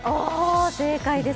正解です。